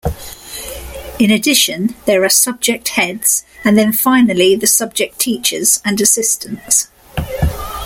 In addition there are subject heads and then finally the subject teachers and assistants.